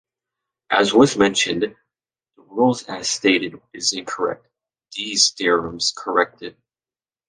As was mentioned, the rule as stated is incorrect; these theorems correct it.